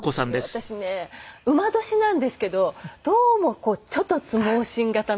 私ね午年なんですけどどうも猪突猛進型なんですよ。